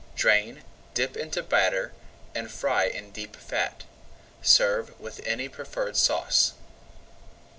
Drain, dip into batter, and fry in deep fat. Serve with any preferred sauce.